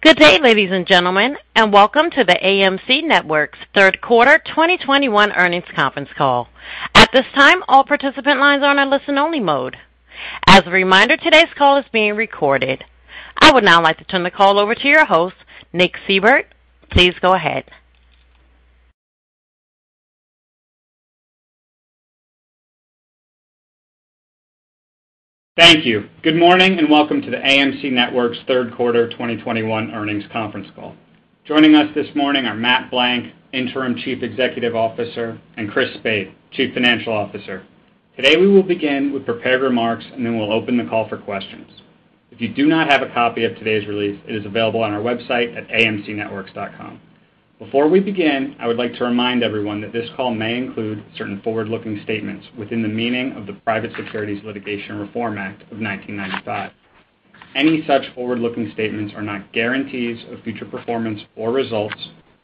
Good day, ladies and gentlemen, and welcome to the AMC Networks Third Quarter 2021 Earnings Conference Call. At this time, all participant lines are in a listen only mode. As a reminder, today's call is being recorded. I would now like to turn the call over to your host, Nicholas Seibert. Please go ahead. Thank you. Good morning and welcome to the AMC Networks Third Quarter 2021 Earnings Conference Call. Joining us this morning are Matt Blank, Interim Chief Executive Officer, and Christina Spade, Chief Financial Officer. Today, we will begin with prepared remarks and then we'll open the call for questions. If you do not have a copy of today's release, it is available on our website at amcnetworks.com. Before we begin, I would like to remind everyone that this call may include certain forward-looking statements within the meaning of the Private Securities Litigation Reform Act of 1995. Any such forward-looking statements are not guarantees of future performance or results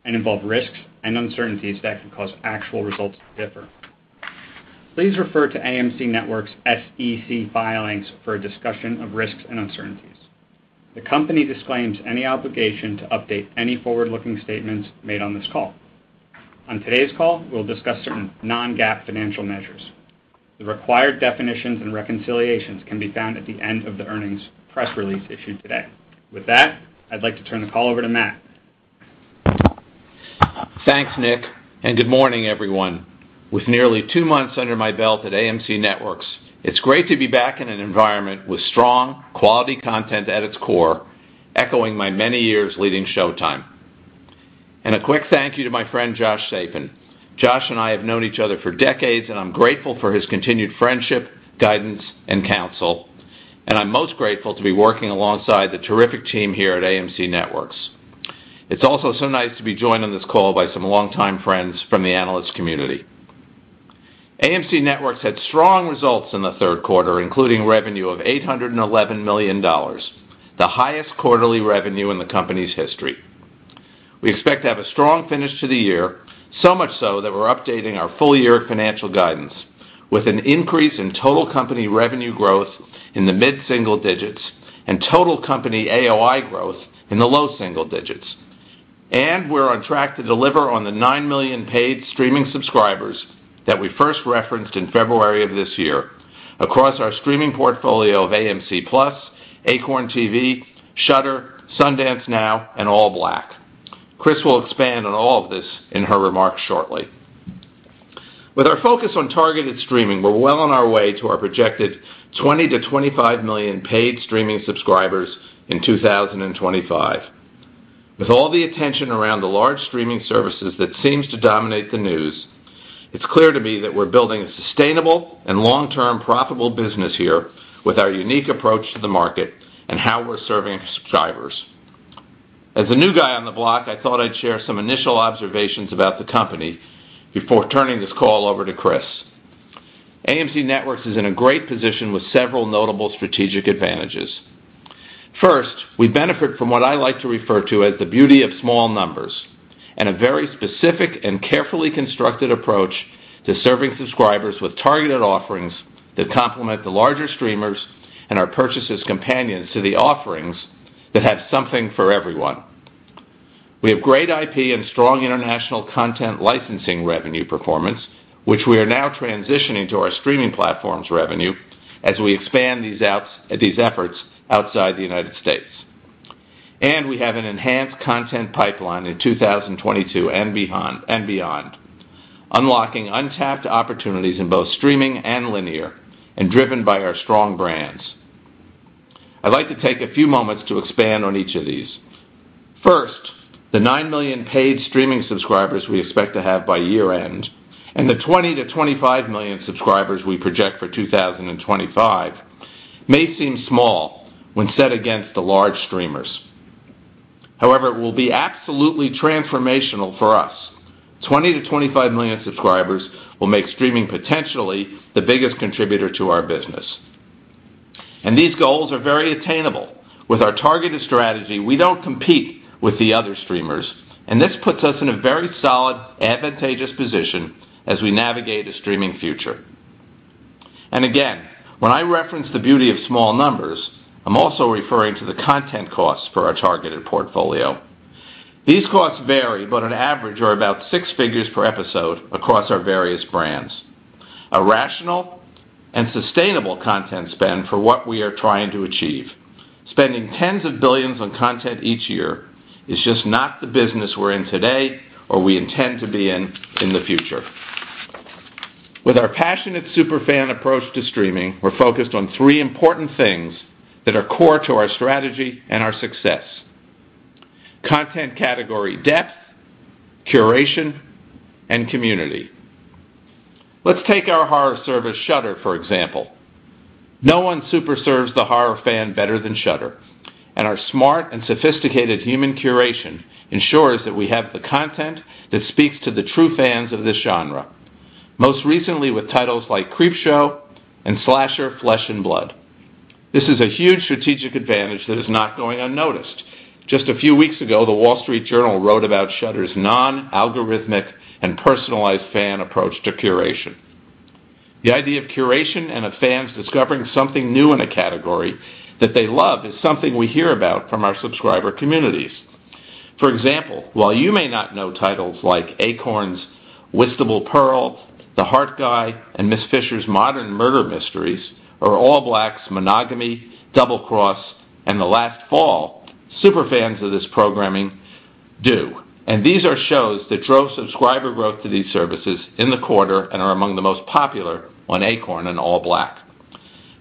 and involve risks and uncertainties that could cause actual results to differ. Please refer to AMC Networks' SEC filings for a discussion of risks and uncertainties. The company disclaims any obligation to update any forward-looking statements made on this call. On today's call, we'll discuss certain non-GAAP financial measures. The required definitions and reconciliations can be found at the end of the earnings press release issued today. With that, I'd like to turn the call over to Matt. Thanks, Nick, and good morning, everyone. With nearly two months under my belt at AMC Networks, it's great to be back in an environment with strong quality content at its core, echoing my many years leading Showtime. A quick thank you to my friend Josh Sapan. Josh and I have known each other for decades, and I'm grateful for his continued friendship, guidance and counsel, and I'm most grateful to be working alongside the terrific team here at AMC Networks. It's also so nice to be joined on this call by some longtime friends from the analyst community. AMC Networks had strong results in the third quarter, including revenue of $811 million, the highest quarterly revenue in the company's history. We expect to have a strong finish to the year, so much so that we're updating our full year financial guidance with an increase in total company revenue growth in the mid-single digits and total company AOI growth in the low single digits. We're on track to deliver on the 9 million paid streaming subscribers that we first referenced in February of this year across our streaming portfolio of AMC+, Acorn TV, Shudder, Sundance Now and ALLBLK. Chris will expand on all of this in her remarks shortly. With our focus on targeted streaming, we're well on our way to our projected 20-25 million paid streaming subscribers in 2025. With all the attention around the large streaming services that seems to dominate the news, it's clear to me that we're building a sustainable and long-term profitable business here with our unique approach to the market and how we're serving subscribers. As a new guy on the block, I thought I'd share some initial observations about the company before turning this call over to Chris. AMC Networks is in a great position with several notable strategic advantages. First, we benefit from what I like to refer to as the beauty of small numbers and a very specific and carefully constructed approach to serving subscribers with targeted offerings that complement the larger streamers and are plus companions to the offerings that have something for everyone. We have great IP and strong international content licensing revenue performance, which we are now transitioning to our streaming platforms revenue as we expand these efforts outside the United States. We have an enhanced content pipeline in 2022 and beyond, unlocking untapped opportunities in both streaming and linear, driven by our strong brands. I'd like to take a few moments to expand on each of these. First, the 9 million paid streaming subscribers we expect to have by year-end and the 20-25 million subscribers we project for 2025 may seem small when set against the large streamers. However, it will be absolutely transformational for us. 20-25 million subscribers will make streaming potentially the biggest contributor to our business, and these goals are very attainable. With our targeted strategy, we don't compete with the other streamers, and this puts us in a very solid, advantageous position as we navigate a streaming future. Again, when I reference the beauty of small numbers, I'm also referring to the content costs for our targeted portfolio. These costs vary, but on average are about six figures per episode across our various brands. A rational and sustainable content spend for what we are trying to achieve. Spending tens of billions on content each year is just not the business we're in today or we intend to be in in the future. With our passionate super fan approach to streaming, we're focused on three important things that are core to our strategy and our success, content category depth, curation and community. Let's take our horror service, Shudder, for example. No one super serves the horror fan better than Shudder, and our smart and sophisticated human curation ensures that we have the content that speaks to the true fans of this genre, most recently with titles like Creepshow and Slasher: Flesh & Blood. This is a huge strategic advantage that is not going unnoticed. Just a few weeks ago, The Wall Street Journal wrote about Shudder's non-algorithmic and personalized fan approach to curation. The idea of curation and of fans discovering something new in a category that they love is something we hear about from our subscriber communities. For example, while you may not know titles like Acorn's Whitstable Pearl, The Heart Guy, and Ms. Fisher's Modern Murder Mysteries, or ALLBLK's Monogamy, Double Cross, and The Last Fall, super fans of this programming do. These are shows that drove subscriber growth to these services in the quarter and are among the most popular on Acorn and ALLBLK.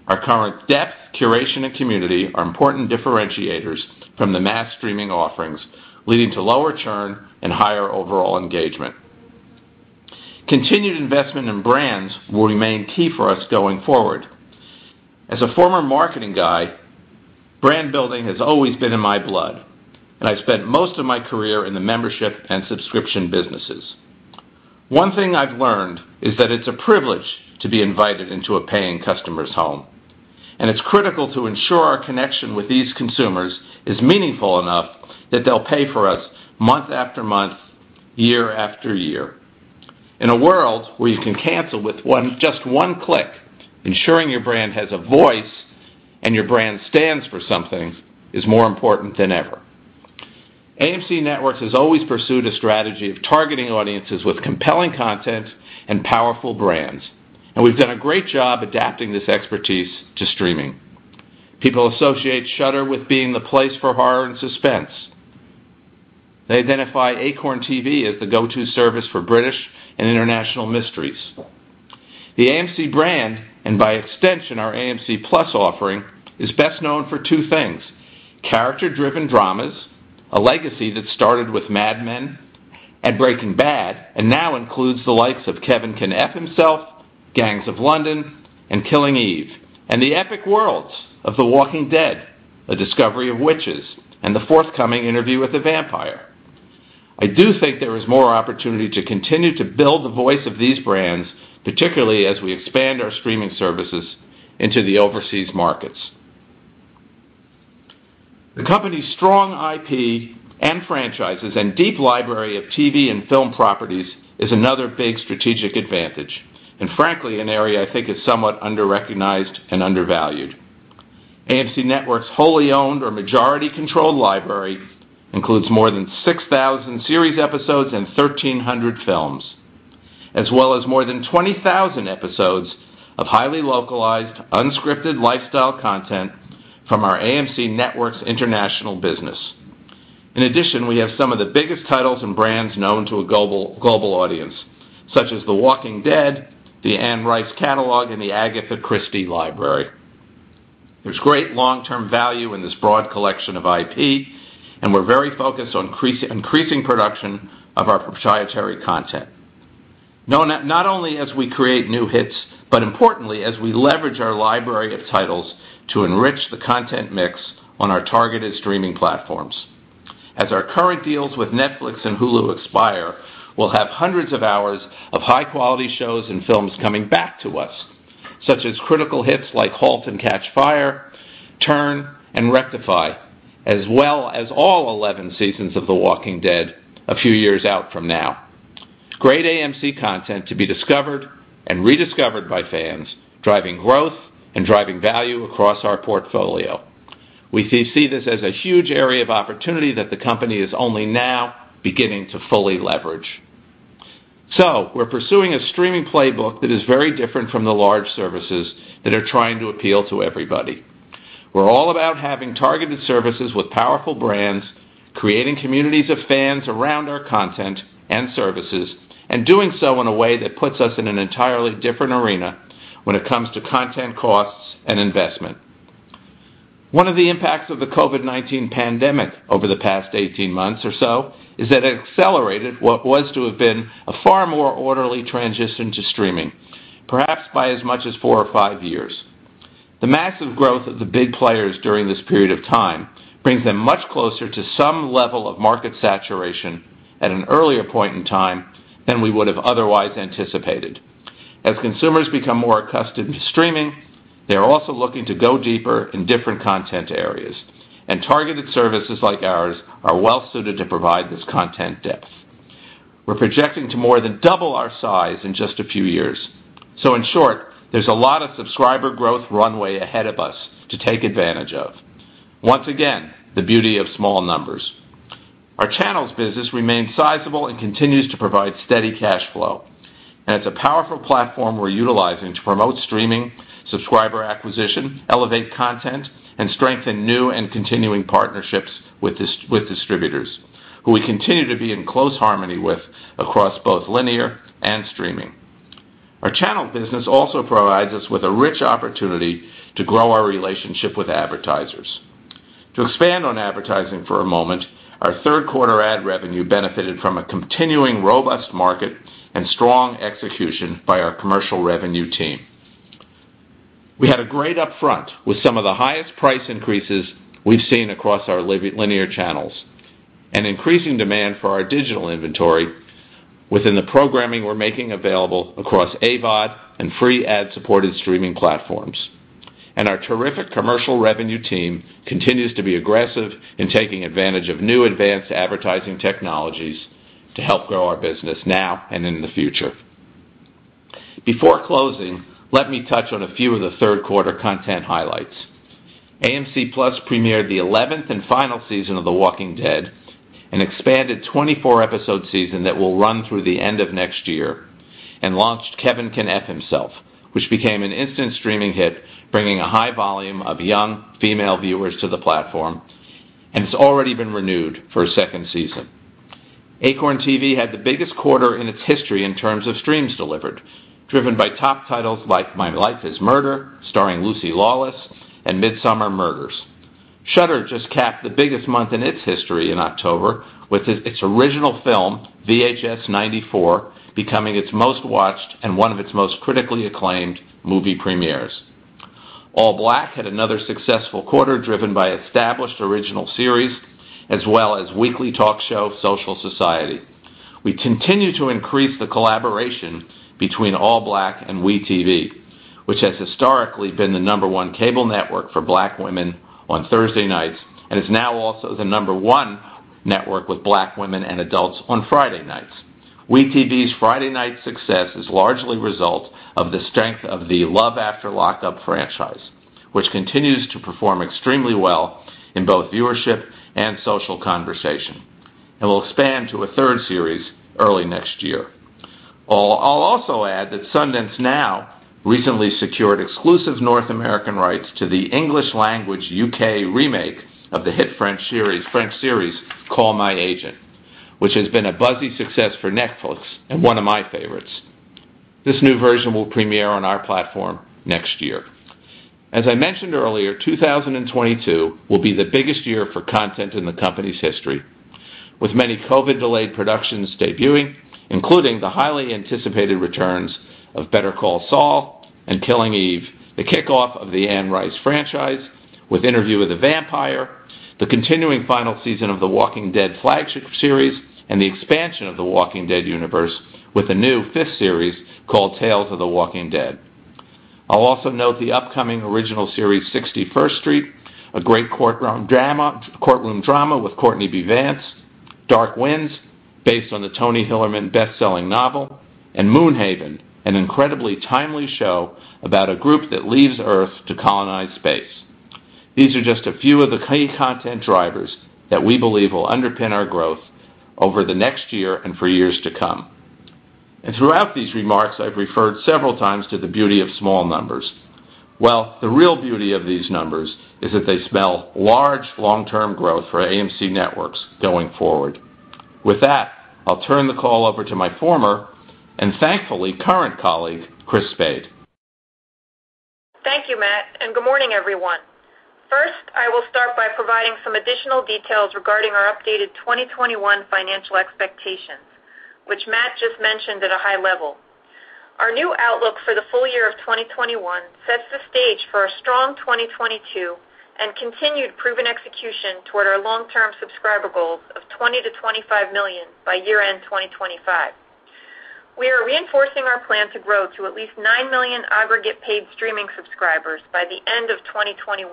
Our current depth, curation, and community are important differentiators from the mass streaming offerings, leading to lower churn and higher overall engagement. Continued investment in brands will remain key for us going forward. As a former marketing guy, brand building has always been in my blood, and I spent most of my career in the membership and subscription businesses. One thing I've learned is that it's a privilege to be invited into a paying customer's home, and it's critical to ensure our connection with these consumers is meaningful enough that they'll pay for us month after month, year after year. In a world where you can cancel with one, just one click, ensuring your brand has a voice and your brand stands for something is more important than ever. AMC Networks has always pursued a strategy of targeting audiences with compelling content and powerful brands, and we've done a great job adapting this expertise to streaming. People associate Shudder with being the place for horror and suspense. They identify Acorn TV as the go-to service for British and international mysteries. The AMC brand, and by extension, our AMC+ offering, is best known for two things. Character-driven dramas, a legacy that started with Mad Men and Breaking Bad, and now includes the likes of Kevin Can F**k Himself, Gangs of London, and Killing Eve, and the epic worlds of The Walking Dead, A Discovery of Witches, and the forthcoming Interview with the Vampire. I do think there is more opportunity to continue to build the voice of these brands, particularly as we expand our streaming services into the overseas markets. The company's strong IP and franchises and deep library of TV and film properties is another big strategic advantage, and frankly, an area I think is somewhat under-recognized and undervalued. AMC Networks' wholly owned or majority-controlled library includes more than 6,000 series episodes and 1,300 films, as well as more than 20,000 episodes of highly localized, unscripted lifestyle content from our AMC Networks International business. In addition, we have some of the biggest titles and brands known to a global audience, such as The Walking Dead, the Anne Rice catalog, and the Agatha Christie Library. There's great long-term value in this broad collection of IP, and we're very focused on increasing production of our proprietary content. Not only as we create new hits, but importantly, as we leverage our library of titles to enrich the content mix on our targeted streaming platforms. As our current deals with Netflix and Hulu expire, we'll have hundreds of hours of high-quality shows and films coming back to us, such as critical hits like Halt and Catch Fire, Turn, and Rectify, as well as all 11 seasons of The Walking Dead a few years out from now. Great AMC content to be discovered and rediscovered by fans, driving growth and driving value across our portfolio. We see this as a huge area of opportunity that the company is only now beginning to fully leverage. We're pursuing a streaming playbook that is very different from the large services that are trying to appeal to everybody. We're all about having targeted services with powerful brands, creating communities of fans around our content and services, and doing so in a way that puts us in an entirely different arena when it comes to content costs and investment. One of the impacts of the COVID-19 pandemic over the past eighteen months or so is that it accelerated what was to have been a far more orderly transition to streaming, perhaps by as much as four or five years. The massive growth of the big players during this period of time brings them much closer to some level of market saturation at an earlier point in time than we would have otherwise anticipated. As consumers become more accustomed to streaming, they're also looking to go deeper in different content areas, and targeted services like ours are well suited to provide this content depth. We're projecting to more than double our size in just a few years. In short, there's a lot of subscriber growth runway ahead of us to take advantage of. Once again, the beauty of small numbers. Our channels business remains sizable and continues to provide steady cash flow, and it's a powerful platform we're utilizing to promote streaming, subscriber acquisition, elevate content, and strengthen new and continuing partnerships with distributors, who we continue to be in close harmony with across both linear and streaming. Our channel business also provides us with a rich opportunity to grow our relationship with advertisers. To expand on advertising for a moment, our third quarter ad revenue benefited from a continuing robust market and strong execution by our commercial revenue team. We had a great upfront with some of the highest price increases we've seen across our linear channels and increasing demand for our digital inventory within the programming we're making available across AVOD and free ad-supported streaming platforms. Our terrific commercial revenue team continues to be aggressive in taking advantage of new advanced advertising technologies to help grow our business now and in the future. Before closing, let me touch on a few of the third quarter content highlights. AMC+ premiered the eleventh and final season of The Walking Dead, an expanded 24-episode season that will run through the end of next year, and launched Kevin Can F**k Himself, which became an instant streaming hit, bringing a high volume of young female viewers to the platform, and it's already been renewed for a second season. Acorn TV had the biggest quarter in its history in terms of streams delivered, driven by top titles like My Life Is Murder, starring Lucy Lawless, and Midsomer Murders. Shudder just capped the biggest month in its history in October with its original film, V/H/S/94, becoming its most watched and one of its most critically acclaimed movie premieres. ALLBLK had another successful quarter, driven by established original series as well as weekly talk show Social Society. We continue to increase the collaboration between ALLBLK and WE tv, which has historically been the number one cable network for Black women on Thursday nights, and is now also the number one network with Black women and adults on Friday nights. WE tv's Friday night success is largely a result of the strength of the Love After Lockup franchise, which continues to perform extremely well in both viewership and social conversation, and will expand to a third series early next year. I'll also add that Sundance Now recently secured exclusive North American rights to the English language U.K. remake of the hit French series, Call My Agent!, which has been a buzzy success for Netflix and one of my favorites. This new version will premiere on our platform next year. As I mentioned earlier, 2022 will be the biggest year for content in the company's history, with many COVID-delayed productions debuting, including the highly anticipated returns of Better Call Saul and Killing Eve, the kickoff of the Anne Rice franchise with Interview with the Vampire, the continuing final season of The Walking Dead flagship series, and the expansion of The Walking Dead universe with a new fifth series called Tales of the Walking Dead. I'll also note the upcoming original series 61st Street, a great courtroom drama with Courtney B. Vance, Dark Winds, based on the Tony Hillerman best-selling novel, and Moonhaven, an incredibly timely show about a group that leaves Earth to colonize space. These are just a few of the key content drivers that we believe will underpin our growth over the next year and for years to come. Throughout these remarks, I've referred several times to the beauty of small numbers. Well, the real beauty of these numbers is that they spell large long-term growth for AMC Networks going forward. With that, I'll turn the call over to my former and thankfully current colleague, Chris Spade. Thank you, Matt, and good morning, everyone. First, I will start by providing some additional details regarding our updated 2021 financial expectations, which Matt just mentioned at a high level. Our new outlook for the full year of 2021 sets the stage for a strong 2022 and continued proven execution toward our long-term subscriber goals of 20-25 million by year-end 2025. We are reinforcing our plan to grow to at least 9 million aggregate paid streaming subscribers by the end of 2021.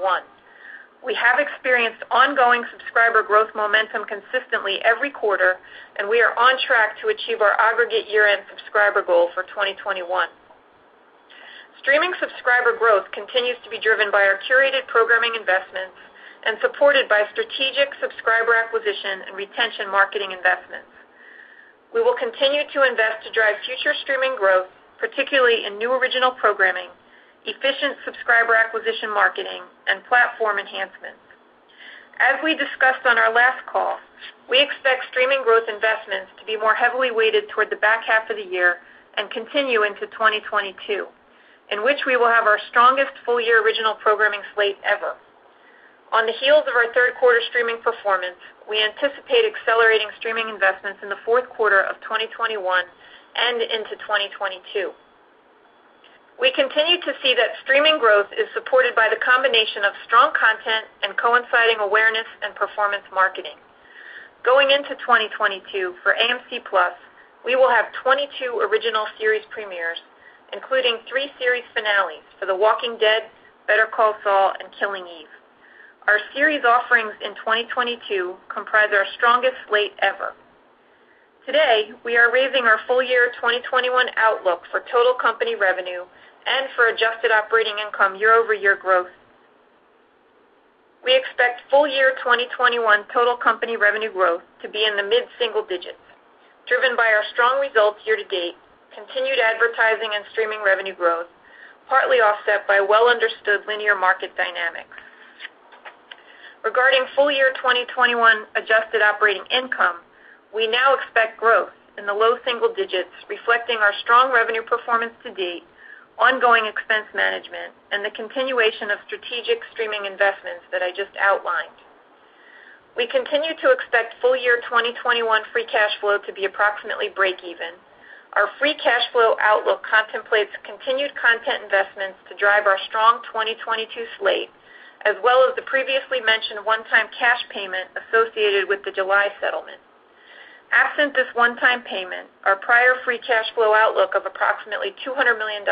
We have experienced ongoing subscriber growth momentum consistently every quarter, and we are on track to achieve our aggregate year-end subscriber goal for 2021. Streaming subscriber growth continues to be driven by our curated programming investments and supported by strategic subscriber acquisition and retention marketing investments. We will continue to invest to drive future streaming growth, particularly in new original programming, efficient subscriber acquisition marketing, and platform enhancements. As we discussed on our last call, we expect streaming growth investments to be more heavily weighted toward the back half of the year and continue into 2022, in which we will have our strongest full-year original programming slate ever. On the heels of our third quarter streaming performance, we anticipate accelerating streaming investments in the fourth quarter of 2021 and into 2022. We continue to see that streaming growth is supported by the combination of strong content and coinciding awareness and performance marketing. Going into 2022 for AMC+, we will have 22 original series premieres, including three series finales for The Walking Dead, Better Call Saul, and Killing Eve. Our series offerings in 2022 comprise our strongest slate ever. Today, we are raising our full year 2021 outlook for total company revenue and for adjusted operating income year-over-year growth. We expect full year 2021 total company revenue growth to be in the mid-single digits, driven by our strong results year to date, continued advertising and streaming revenue growth, partly offset by well-understood linear market dynamics. Regarding full year 2021 adjusted operating income, we now expect growth in the low single digits, reflecting our strong revenue performance to date, ongoing expense management, and the continuation of strategic streaming investments that I just outlined. We continue to expect full year 2021 free cash flow to be approximately break even. Our free cash flow outlook contemplates continued content investments to drive our strong 2022 slate, as well as the previously mentioned one-time cash payment associated with the July settlement. Absent this one-time payment, our prior free cash flow outlook of approximately $200 million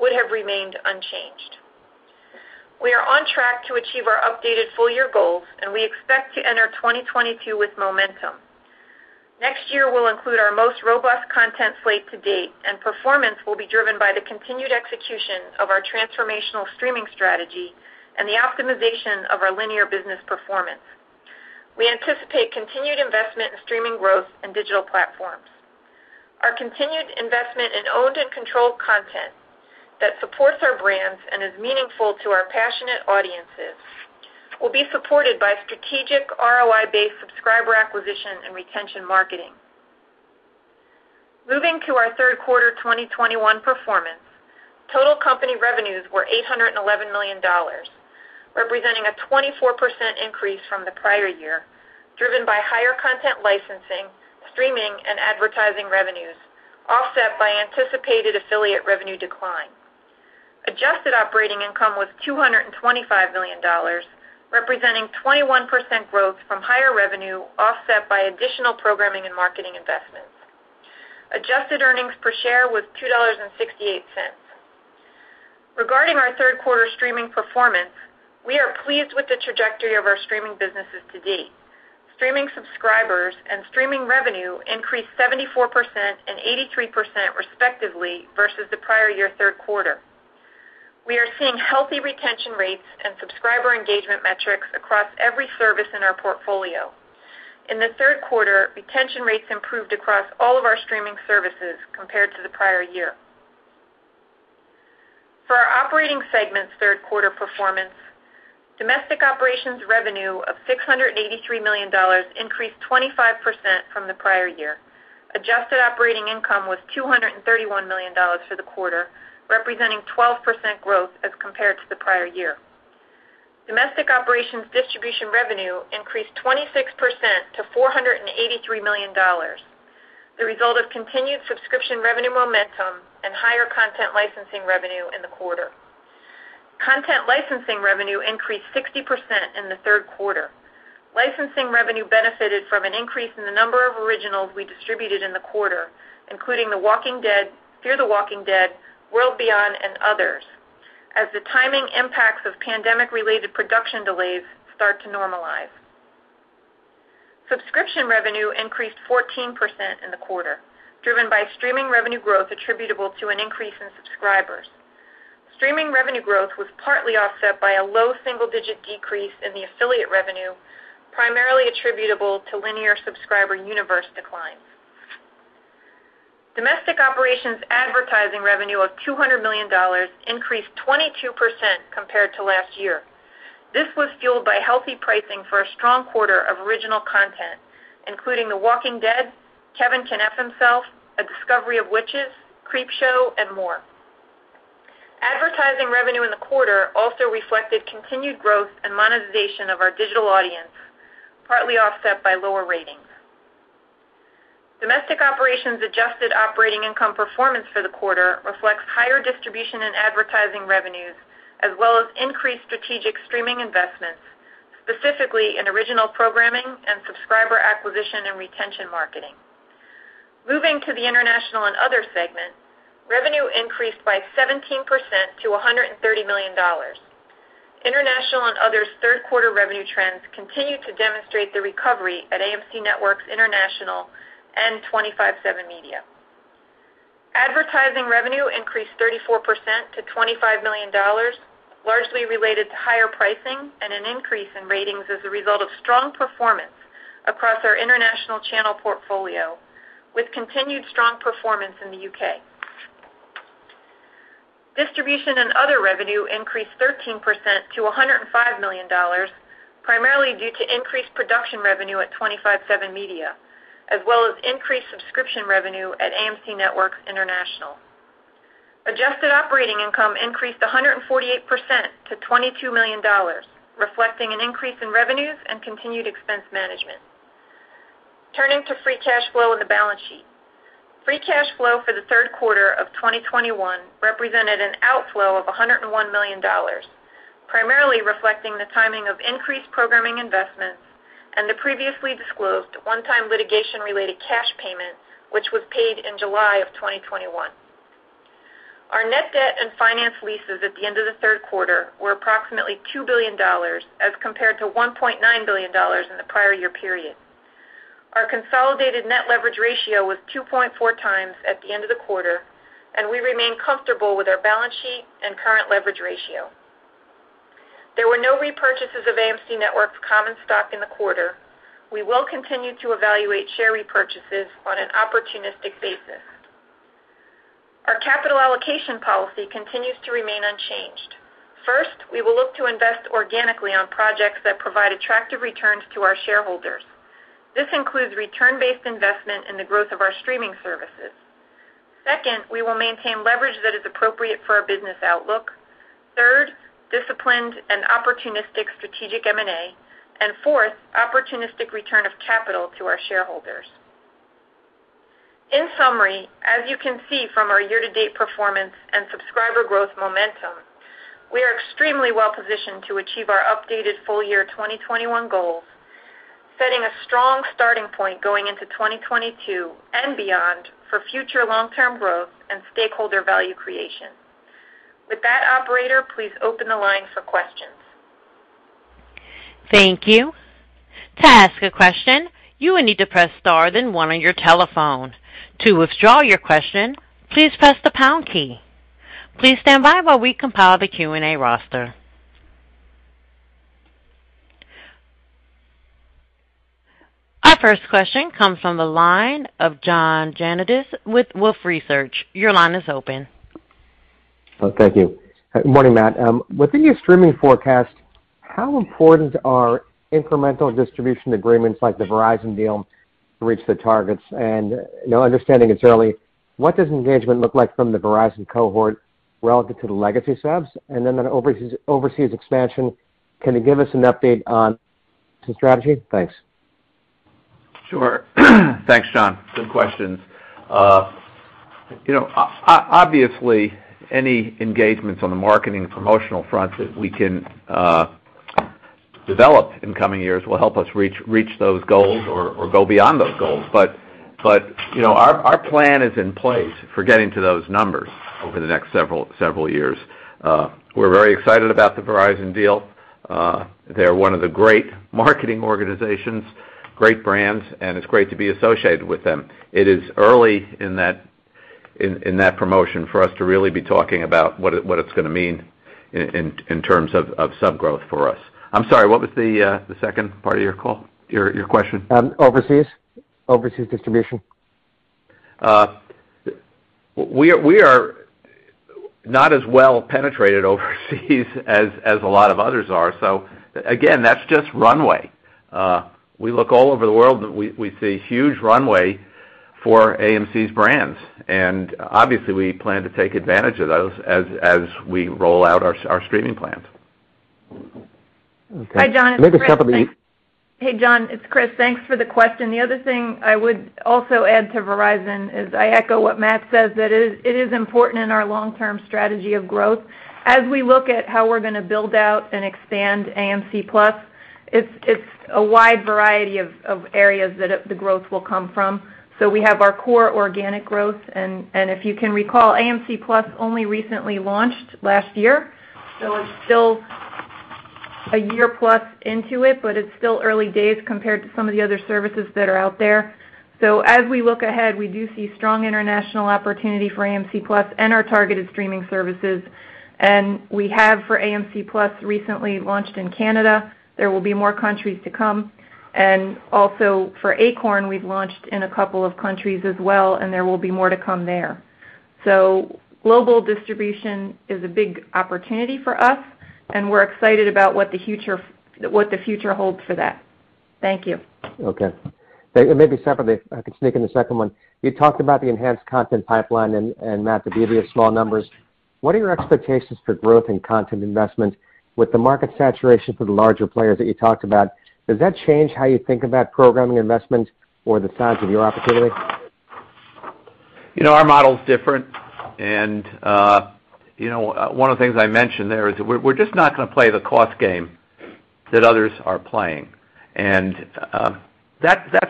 would have remained unchanged. We are on track to achieve our updated full year goals, and we expect to enter 2022 with momentum. Next year will include our most robust content slate to date, and performance will be driven by the continued execution of our transformational streaming strategy and the optimization of our linear business performance. We anticipate continued investment in streaming growth and digital platforms. Our continued investment in owned and controlled content that supports our brands and is meaningful to our passionate audiences will be supported by strategic ROI-based subscriber acquisition and retention marketing. Moving to our third quarter 2021 performance. Total company revenues were $811 million, representing a 24% increase from the prior year, driven by higher content licensing, streaming, and advertising revenues, offset by anticipated affiliate revenue decline. Adjusted operating income was $225 million, representing 21% growth from higher revenue, offset by additional programming and marketing investments. Adjusted earnings per share was $2.68. Regarding our third quarter streaming performance, we are pleased with the trajectory of our streaming businesses to date. Streaming subscribers and streaming revenue increased 74% and 83% respectively versus the prior year third quarter. We are seeing healthy retention rates and subscriber engagement metrics across every service in our portfolio. In the third quarter, retention rates improved across all of our streaming services compared to the prior year. For our operating segment's third quarter performance, domestic operations revenue of $683 million increased 25% from the prior year. Adjusted operating income was $231 million for the quarter, representing 12% growth as compared to the prior year. Domestic operations distribution revenue increased 26% to $483 million, the result of continued subscription revenue momentum and higher content licensing revenue in the quarter. Content licensing revenue increased 60% in the third quarter. Licensing revenue benefited from an increase in the number of originals we distributed in the quarter, including The Walking Dead, Fear the Walking Dead, World Beyond, and others, as the timing impacts of pandemic-related production delays start to normalize. Subscription revenue increased 14% in the quarter, driven by streaming revenue growth attributable to an increase in subscribers. Streaming revenue growth was partly offset by a low single-digit decrease in the affiliate revenue, primarily attributable to linear subscriber universe declines. Domestic Operations advertising revenue of $200 million increased 22% compared to last year. This was fueled by healthy pricing for a strong quarter of original content, including The Walking Dead, Kevin Can F**k Himself, A Discovery of Witches, Creepshow, and more. Advertising revenue in the quarter also reflected continued growth and monetization of our digital audience, partly offset by lower ratings. Domestic Operations adjusted operating income performance for the quarter reflects higher distribution in advertising revenues as well as increased strategic streaming investments, specifically in original programming and subscriber acquisition and retention marketing. Moving to the International and Other segment, revenue increased by 17% to $130 million. International and Others third quarter revenue trends continued to demonstrate the recovery at AMC Networks International and 25/7 Media. Advertising revenue increased 34% to $25 million, largely related to higher pricing and an increase in ratings as a result of strong performance across our international channel portfolio, with continued strong performance in the U.K. Distribution and other revenue increased 13% to $105 million, primarily due to increased production revenue at 25/7 Media, as well as increased subscription revenue at AMC Networks International. Adjusted operating income increased 148% to $22 million, reflecting an increase in revenues and continued expense management. Turning to free cash flow and the balance sheet. Free cash flow for the third quarter of 2021 represented an outflow of $101 million, primarily reflecting the timing of increased programming investments and the previously disclosed one-time litigation-related cash payment, which was paid in July of 2021. Our net debt and finance leases at the end of the third quarter were approximately $2 billion as compared to $1.9 billion in the prior year period. Our consolidated net leverage ratio was 2.4x at the end of the quarter, and we remain comfortable with our balance sheet and current leverage ratio. There were no repurchases of AMC Networks' common stock in the quarter. We will continue to evaluate share repurchases on an opportunistic basis. Our capital allocation policy continues to remain unchanged. First, we will look to invest organically on projects that provide attractive returns to our shareholders. This includes return-based investment in the growth of our streaming services. Second, we will maintain leverage that is appropriate for our business outlook. Third, disciplined and opportunistic strategic M&A. And fourth, opportunistic return of capital to our shareholders. In summary, as you can see from our year-to-date performance and subscriber growth momentum, we are extremely well positioned to achieve our updated full year 2021 goals, setting a strong starting point going into 2022 and beyond for future long-term growth and stakeholder value creation. With that, operator, please open the line for questions. Thank you. To ask a question, you will need to press Star then One on your telephone. To withdraw your question, please press the Pound key. Please stand by while we compile the Q&A roster. Our first question comes from the line of John Janedis with Wolfe Research. Your line is open. Thank you. Morning, Matt. Within your streaming forecast, how important are incremental distribution agreements like the Verizon deal to reach the targets? You know, understanding it's early, what does engagement look like from the Verizon cohort relative to the legacy subs? On overseas expansion, can you give us an update on the strategy? Thanks. Sure. Thanks, John. Good questions. You know, obviously, any engagements on the marketing promotional front that we can develop in coming years will help us reach those goals or go beyond those goals. You know, our plan is in place for getting to those numbers over the next several years. We're very excited about the Verizon deal. They're one of the great marketing organizations, great brands, and it's great to be associated with them. It is early in that promotion for us to really be talking about what it's gonna mean in terms of sub growth for us. I'm sorry, what was the second part of your question? Overseas distribution. We are not as well penetrated overseas as a lot of others are. That's just runway. We look all over the world, we see huge runway for AMC's brands. Obviously, we plan to take advantage of those as we roll out our streaming plans. Okay. Hi, John. It's Chris. Thanks. Maybe separately. Hey, John, it's Chris. Thanks for the question. The other thing I would also add to Verizon is I echo what Matt says that it is important in our long-term strategy of growth. As we look at how we're gonna build out and expand AMC+ it's a wide variety of areas that the growth will come from. So we have our core organic growth. If you can recall, AMC+ only recently launched last year, so it's still a year plus into it, but it's still early days compared to some of the other services that are out there. So as we look ahead, we do see strong international opportunity for AMC+ and our targeted streaming services. We have, for AMC+, recently launched in Canada. There will be more countries to come. Also for Acorn, we've launched in a couple of countries as well, and there will be more to come there. So global distribution is a big opportunity for us, and we're excited about what the future holds for that. Thank you. Okay. Maybe separately, if I could sneak in a second one. You talked about the enhanced content pipeline and Matt, the EBITDA small numbers. What are your expectations for growth in content investment with the market saturation for the larger players that you talked about? Does that change how you think about programming investment or the size of your opportunity? You know, our model is different. You know, one of the things I mentioned there is we're just not gonna play the cost game that others are playing. That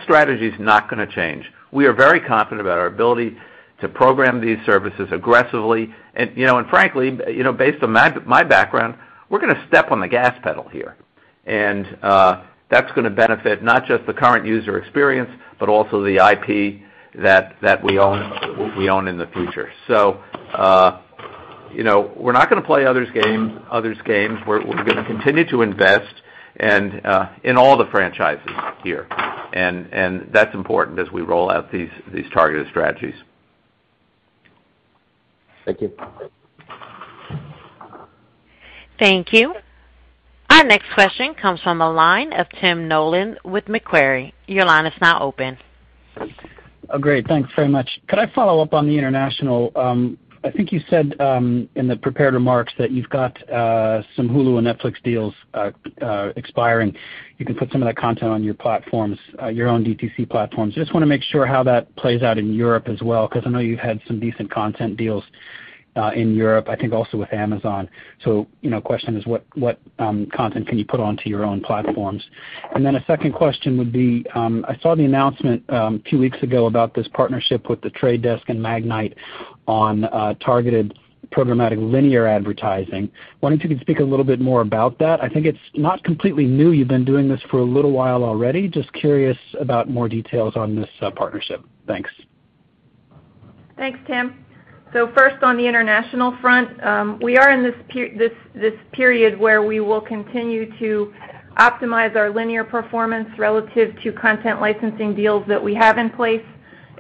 strategy is not gonna change. We are very confident about our ability to program these services aggressively. You know, and frankly, you know, based on my background, we're gonna step on the gas pedal here. That's gonna benefit not just the current user experience, but also the IP that we own in the future. You know, we're not gonna play others' games. We're gonna continue to invest in all the franchises here. That's important as we roll out these targeted strategies. Thank you. Thank you. Our next question comes from the line of Tim Nollen with Macquarie. Your line is now open. Oh, great. Thanks very much. Could I follow up on the international? I think you said in the prepared remarks that you've got some Hulu and Netflix deals expiring. You can put some of that content on your platforms, your own DTC platforms. Just wanna make sure how that plays out in Europe as well, 'cause I know you've had some decent content deals in Europe, I think also with Amazon. You know, question is, what content can you put onto your own platforms? A second question would be, I saw the announcement a few weeks ago about this partnership with The Trade Desk and Magnite on targeted programmatic linear advertising. Wondering if you could speak a little bit more about that. I think it's not completely new. You've been doing this for a little while already. Just curious about more details on this, partnership. Thanks. Thanks, Tim. First on the international front, we are in this this period where we will continue to optimize our linear performance relative to content licensing deals that we have in place.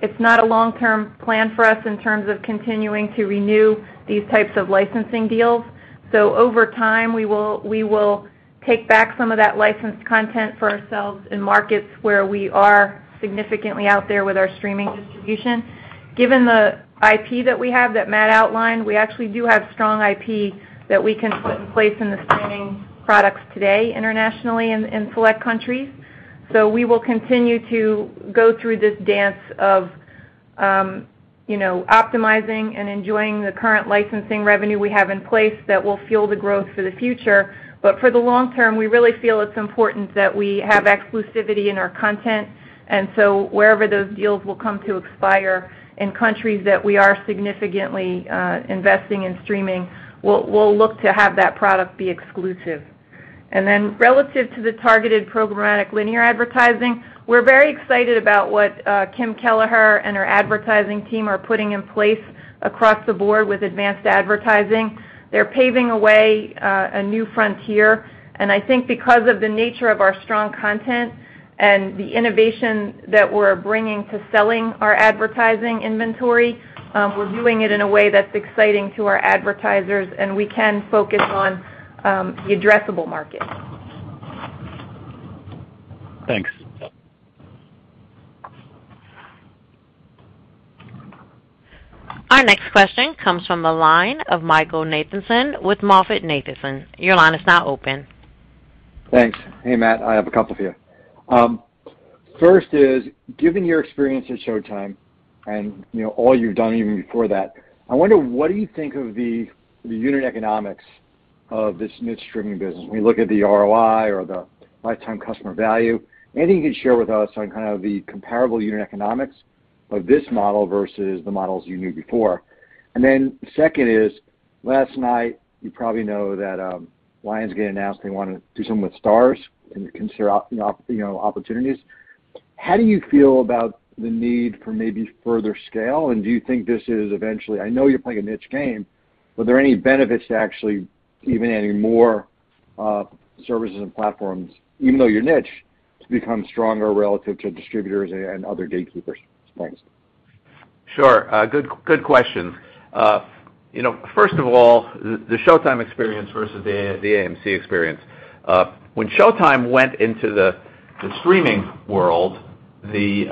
It's not a long-term plan for us in terms of continuing to renew these types of licensing deals. Over time, we will take back some of that licensed content for ourselves in markets where we are significantly out there with our streaming distribution. Given the IP that we have that Matt outlined, we actually do have strong IP that we can put in place in the streaming products today internationally in select countries. We will continue to go through this dance of, you know, optimizing and enjoying the current licensing revenue we have in place that will fuel the growth for the future. For the long term, we really feel it's important that we have exclusivity in our content. Wherever those deals will come to expire in countries that we are significantly investing in streaming, we'll look to have that product be exclusive. Relative to the targeted programmatic linear advertising, we're very excited about what Kim Kelleher and her advertising team are putting in place across the board with advanced advertising. They're paving the way, a new frontier. I think because of the nature of our strong content and the innovation that we're bringing to selling our advertising inventory, we're doing it in a way that's exciting to our advertisers, and we can focus on the addressable market. Thanks. Our next question comes from the line of Michael Nathanson with MoffettNathanson. Your line is now open. Thanks. Hey, Matt. I have a couple for you. First is, given your experience at Showtime and, you know, all you've done even before that, I wonder what you think of the unit economics of this niche streaming business when you look at the ROI or the lifetime customer value? Anything you can share with us on kind of the comparable unit economics of this model versus the models you knew before. Second is, last night, you probably know that Lionsgate announced they wanna do something with Starz and consider OpCo, you know, opportunities. How do you feel about the need for maybe further scale? Do you think this is eventually... I know you're playing a niche game, but are there any benefits to actually even adding more, services and platforms, even though you're niche, to become stronger relative to distributors and other gatekeepers? Thanks. Sure. Good question. You know, first of all, the Showtime experience versus the AMC experience. When Showtime went into the streaming world, you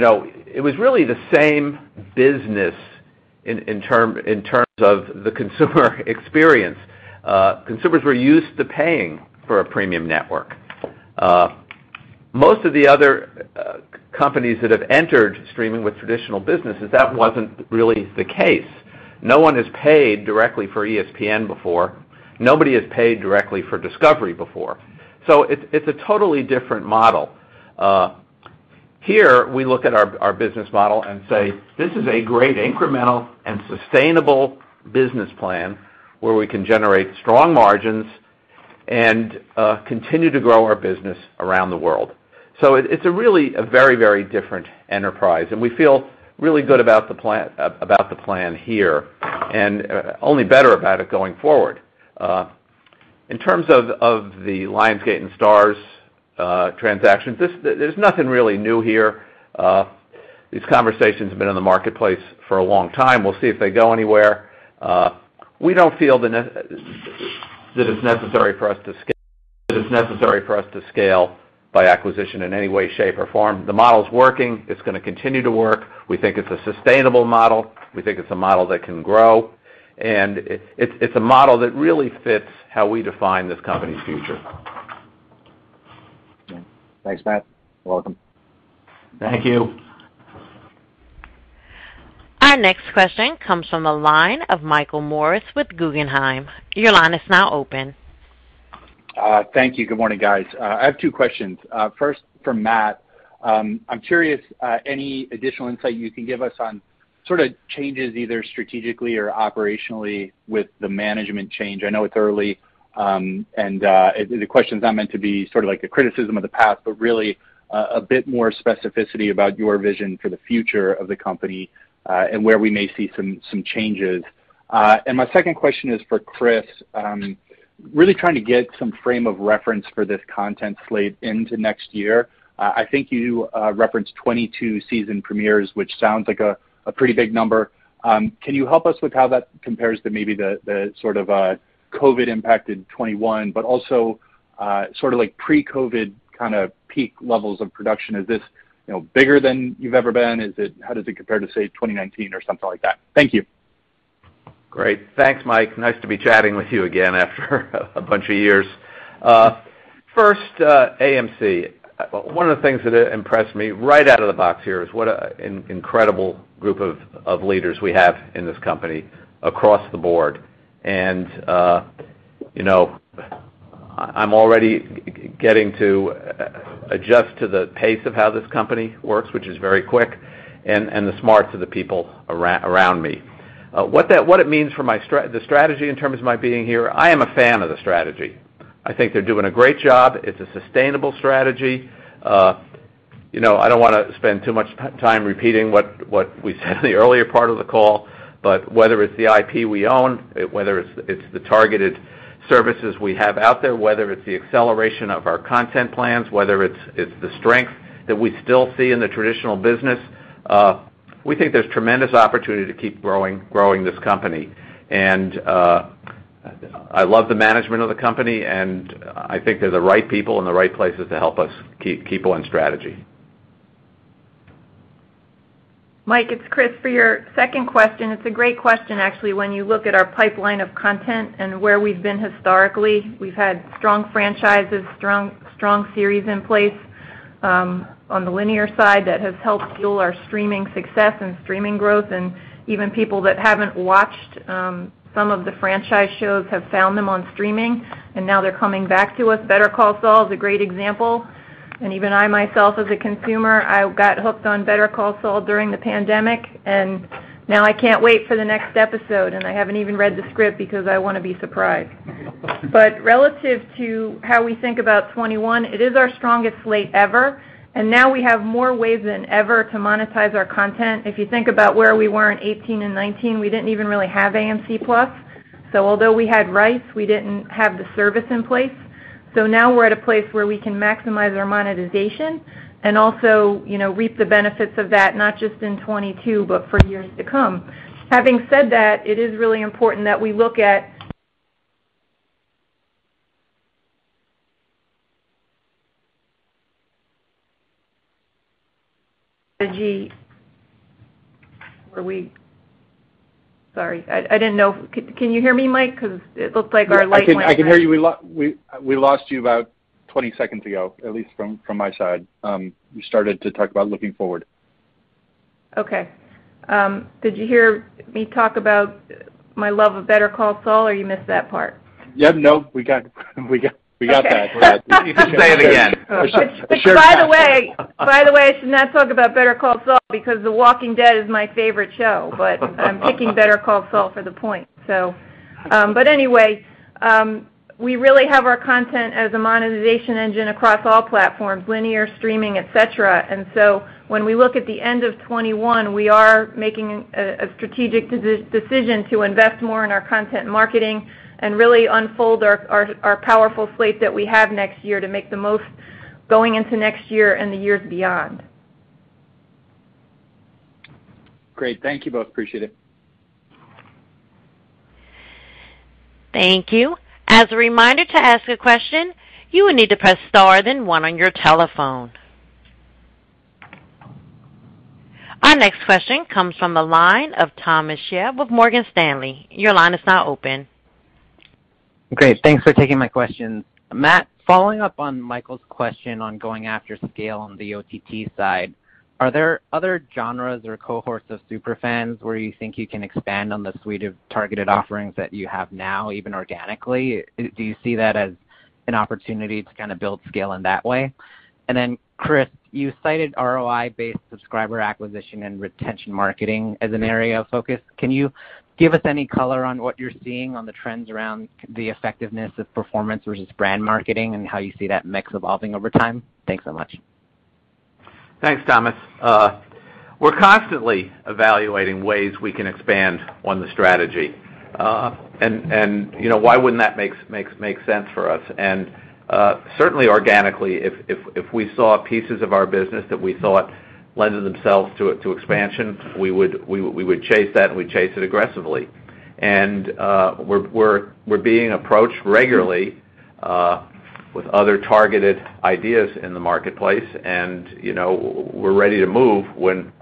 know, it was really the same business in terms of the consumer experience. Consumers were used to paying for a premium network. Most of the other companies that have entered streaming with traditional businesses, that wasn't really the case. No one has paid directly for ESPN before. Nobody has paid directly for Discovery before. It's a totally different model. Here we look at our business model and say, "This is a great incremental and sustainable business plan where we can generate strong margins and continue to grow our business around the world." It's a really very different enterprise, and we feel really good about the plan here, and only better about it going forward. In terms of the Lionsgate and Starz transactions, there's nothing really new here. These conversations have been in the marketplace for a long time. We'll see if they go anywhere. We don't feel that it's necessary for us to scale by acquisition in any way, shape, or form. The model's working. It's gonna continue to work. We think it's a sustainable model. We think it's a model that can grow. It's a model that really fits how we define this company's future. Okay. Thanks, Matt. You're welcome. Thank you. Our next question comes from the line of Michael Morris with Guggenheim. Your line is now open. Thank you. Good morning, guys. I have two questions. First for Matt. I'm curious, any additional insight you can give us on sort of changes either strategically or operationally with the management change. I know it's early, and the question's not meant to be sort of like a criticism of the past, but really a bit more specificity about your vision for the future of the company, and where we may see some changes. My second question is for Chris. Really trying to get some frame of reference for this content slate into next year. I think you referenced 22 season premieres, which sounds like a pretty big number. Can you help us with how that compares to maybe the sort of COVID impacted 2021, but also sort of like pre-COVID kinda peak levels of production? Is this, you know, bigger than you've ever been? Is it how does it compare to, say, 2019 or something like that? Thank you. Great. Thanks, Mike. Nice to be chatting with you again after a bunch of years. First, AMC. One of the things that impressed me right out of the box here is what an incredible group of leaders we have in this company across the board. You know, I'm already getting to adjust to the pace of how this company works, which is very quick, and the smarts of the people around me. What it means for the strategy in terms of my being here, I am a fan of the strategy. I think they're doing a great job. It's a sustainable strategy. You know, I don't wanna spend too much time repeating what we said in the earlier part of the call, but whether it's the IP we own, whether it's the targeted services we have out there, whether it's the acceleration of our content plans, whether it's the strength that we still see in the traditional business, we think there's tremendous opportunity to keep growing this company. I love the management of the company, and I think they're the right people in the right places to help us keep on strategy. Mike, it's Chris. For your second question, it's a great question, actually. When you look at our pipeline of content and where we've been historically, we've had strong franchises, strong series in place on the linear side that has helped fuel our streaming success and streaming growth. Even people that haven't watched some of the franchise shows have found them on streaming, and now they're coming back to us. Better Call Saul is a great example. Even I myself as a consumer, I got hooked on Better Call Saul during the pandemic, and now I can't wait for the next episode. I haven't even read the script because I wanna be surprised. Relative to how we think about 2021, it is our strongest slate ever, and now we have more ways than ever to monetize our content. If you think about where we were in 2018 and 2019, we didn't even really have AMC+. Although we had rights, we didn't have the service in place. Now we're at a place where we can maximize our monetization and also, you know, reap the benefits of that, not just in 2022, but for years to come. Having said that, it is really important that we look at. Sorry, I didn't know. Can you hear me, Mike? 'Cause it looks like our line went dead. I can hear you. We lost you about 20 seconds ago, at least from my side. You started to talk about looking forward. Okay. Did you hear me talk about my love of Better Call Saul, or you missed that part? Yeah. No, we got that. Okay. You can say it again. By the way, I should not talk about Better Call Saul because The Walking Dead is my favorite show. I'm picking Better Call Saul for the point. We really have our content as a monetization engine across all platforms, linear streaming, et cetera. When we look at the end of 2021, we are making a strategic decision to invest more in our content marketing and really unfold our powerful slate that we have next year to make the most going into next year and the years beyond. Great. Thank you both. Appreciate it. Thank you. As a reminder to ask a question, you will need to press star then one on your telephone. Our next question comes from the line of Thomas Yeh with Morgan Stanley. Your line is now open. Great. Thanks for taking my questions. Matt, following up on Michael's question on going after scale on the OTT side, are there other genres or cohorts of super fans where you think you can expand on the suite of targeted offerings that you have now, even organically? Do you see that as an opportunity to kinda build scale in that way? And then, Chris, you cited ROI-based subscriber acquisition and retention marketing as an area of focus. Can you give us any color on what you're seeing on the trends around the effectiveness of performance versus brand marketing and how you see that mix evolving over time? Thanks so much. Thanks, Thomas. We're constantly evaluating ways we can expand on the strategy. You know, why wouldn't that make sense for us? Certainly organically, if we saw pieces of our business that we thought lent themselves to expansion, we would chase that, and we'd chase it aggressively. We're being approached regularly with other targeted ideas in the marketplace. You know, we're ready to move when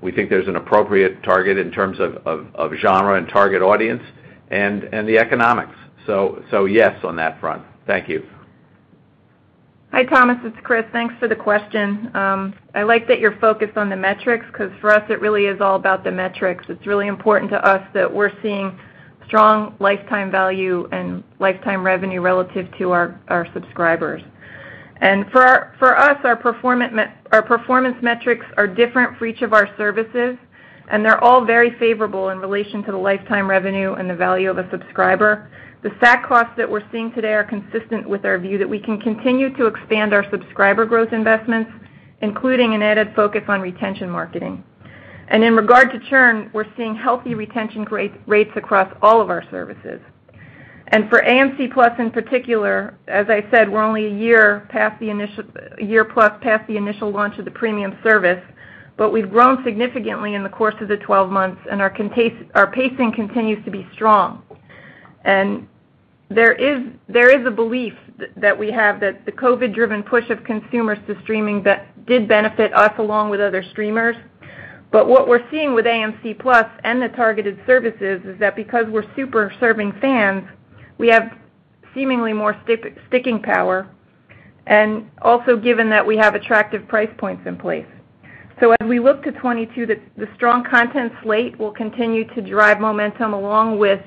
we think there's an appropriate target in terms of genre and target audience and the economics. Yes, on that front. Thank you. Hi, Thomas. It's Chris. Thanks for the question. I like that you're focused on the metrics 'cause for us it really is all about the metrics. It's really important to us that we're seeing strong lifetime value and lifetime revenue relative to our subscribers. For us, our performance metrics are different for each of our services, and they're all very favorable in relation to the lifetime revenue and the value of a subscriber. The SAC costs that we're seeing today are consistent with our view that we can continue to expand our subscriber growth investments, including an added focus on retention marketing. In regard to churn, we're seeing healthy retention rates across all of our services. For AMC+ in particular, as I said, we're only a year plus past the initial launch of the premium service, but we've grown significantly in the course of the 12 months, and our pacing continues to be strong. There is a belief that we have that the COVID-driven push of consumers to streaming did benefit us along with other streamers. What we're seeing with AMC+ and the targeted services is that because we're super serving fans, we have seemingly more sticking power, and also given that we have attractive price points in place. As we look to 2022, the strong content slate will continue to drive momentum along with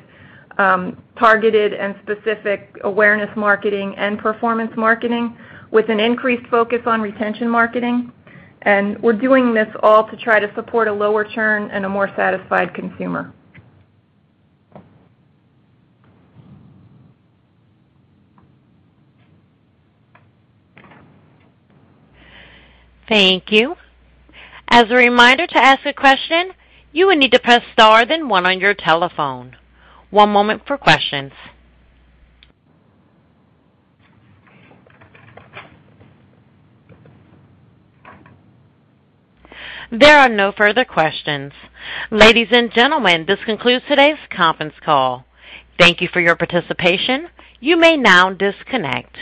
targeted and specific awareness marketing and performance marketing with an increased focus on retention marketing, and we're doing this all to try to support a lower churn and a more satisfied consumer. Thank you. As a reminder to ask a question, you will need to press star then one on your telephone. One moment for questions. There are no further questions. Ladies and gentlemen, this concludes today's conference call. Thank you for your participation. You may now disconnect.